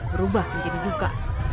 berubah menjadi duka